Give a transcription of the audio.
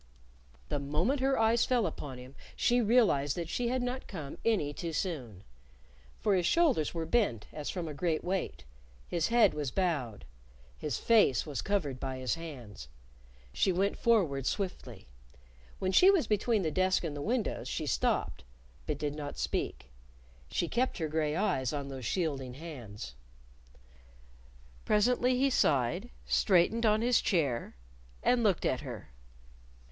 The moment her eyes fell upon him she realized that she had not come any too soon. For his shoulders were bent as from a great weight. His head was bowed. His face was covered by his hands. She went forward swiftly. When she was between the desk and the windows she stopped, but did not speak. She kept her gray eyes on those shielding hands. Presently he sighed, straightened on his chair, and looked at her.